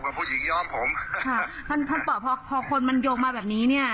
ผู้หญิงยอมผมค่ะท่านท่านต่อพอพอคนมันโยงมาแบบนี้เนี้ย